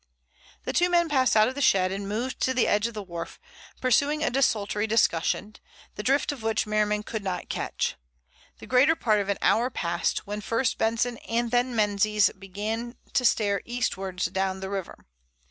The two men passed out of the shed and moved to the edge of the wharf, pursuing a desultory discussion, the drift of which Merriman could not catch. The greater part of an hour passed, when first Benson and then Menzies began to stare eastwards down the river.